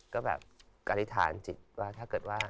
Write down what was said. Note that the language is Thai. ก็กระธิษฎิหารจิตว่า